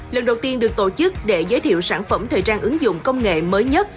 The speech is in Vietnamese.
lần đầu tiên được tổ chức để giới thiệu sản phẩm thời trang ứng dụng công nghệ mới nhất